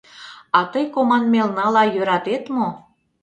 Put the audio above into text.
А тый команмелнала йӧратет мо?